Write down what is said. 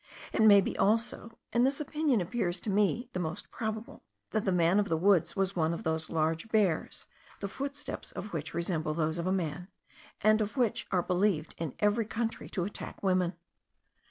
It may be also (and this opinion appears to me the most probable) that the man of the woods was one of those large bears, the footsteps of which resemble those of a man, and which are believed in every country to attack women.